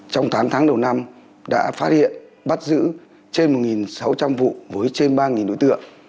trong tám tháng đầu năm đã phát hiện bắt giữ trên một sáu trăm linh vụ với trên ba đối tượng